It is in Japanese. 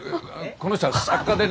この人は作家でね。